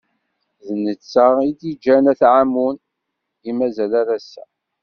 D netta i d-iǧǧan At Ɛamun, i mazal ar ass-a.